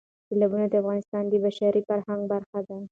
سیلابونه د افغانستان د بشري فرهنګ برخه ده.